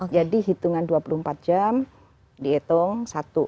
jadi hitungan dua puluh empat jam dihitung satu